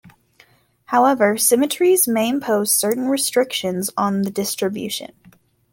However symmetries may impose certain restrictions on the distribution.